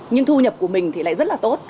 nhưng thu nhập của mình thì lại rất là tốt